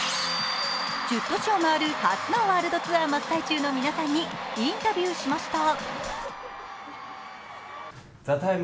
１０都市を回る初のワールドツアー真っ最中の皆さんにインタビューしました。